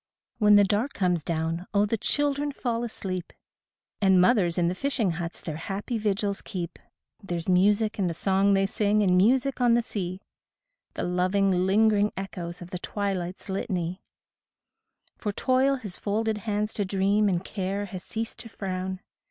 14 When the dark comes down, oh, the children fall asleep, And mothers in the fisher huts their happy vigils keep ; There's music in the song they sing and music on the sea, The loving, lingering echoes of the twilight's litany, For toil has folded hands to dream, and care has ceased to frown.